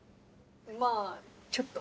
まぁちょっと。